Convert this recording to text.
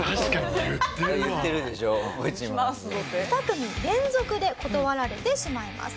２組連続で断られてしまいます。